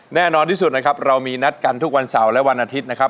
แน่นอนที่สุดนะครับเรามีนัดกันทุกวันเสาร์และวันอาทิตย์นะครับ